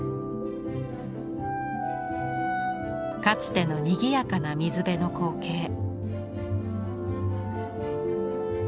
かつてのにぎやかな水辺の光景。